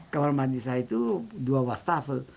kamar mandi saya itu dua wastafel